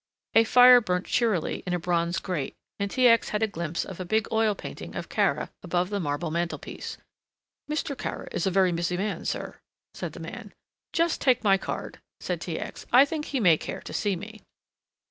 A fire burnt cheerily in a bronze grate and T. X. had a glimpse of a big oil painting of Kara above the marble mantle piece. "Mr. Kara is very busy, sir," said the man. "Just take in my card," said T. X. "I think he may care to see me."